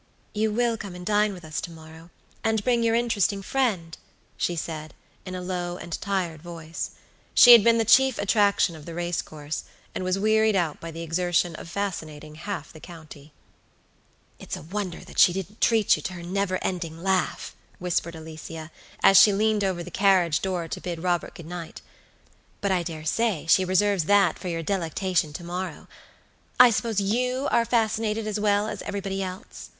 "You will come and dine with us to morrow, and bring your interesting friend?" she said, in a low and tired voice. She had been the chief attraction of the race course, and was wearied out by the exertion of fascinating half the county. "It's a wonder she didn't treat you to her never ending laugh," whispered Alicia, as she leaned over the carriage door to bid Robert good night; "but I dare say she reserves that for your delectation to morrow. I suppose you are fascinated as well as everybody else?"